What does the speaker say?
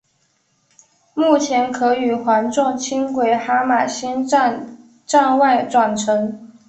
目前可与环状轻轨哈玛星站站外转乘。